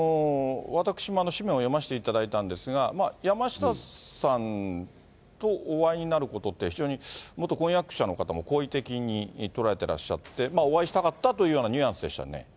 私も誌面を読ませていただいたんですが、山下さんとお会いになることって、非常に元婚約者の方も好意的に捉えてらっしゃって、お会いしたかったというようなニュアンスでしたよね。